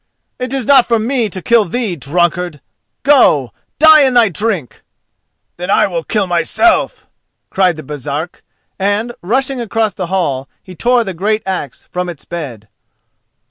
"It is not for me to kill thee, drunkard! Go, die in thy drink!" "Then I will kill myself!" cried the Baresark, and, rushing across the hall he tore the great axe from its bed.